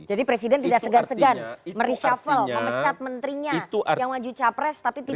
jadi presiden tidak segan segan mereshavel memecat menterinya yang maju capres tapi tidak